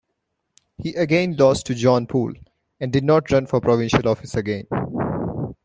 He again lost to John Poole, and did not run for provincial office again.